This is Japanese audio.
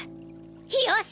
よし！